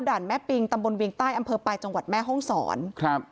แม่ปิงตำบลเวียงใต้อำเภอปลายจังหวัดแม่ห้องศรครับ